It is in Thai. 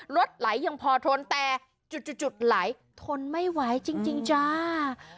รถไหลยังพอทนแต่จุดไหลทนไม่ไหวจริงจ้า